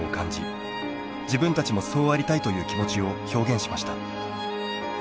自分たちもそうありたいという気持ちを表現しました。